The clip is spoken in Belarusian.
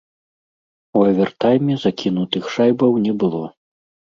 У авертайме закінутых шайбаў не было.